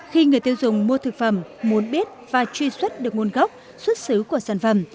khi người tiêu dùng mua thực phẩm muốn biết và truy xuất được nguồn gốc xuất xứ của sản phẩm